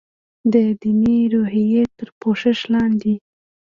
د دیني روحیې تر پوښښ لاندې.